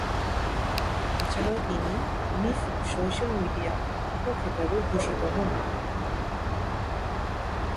এছাড়াও তিনি 'miss social media' উপ খেতাবে ভূষিত হন।